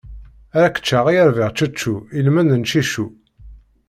Ar k-ččeɣ a yaberčečču ilmend n ciccu!